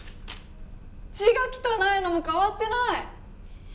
字が汚いのも変わってない！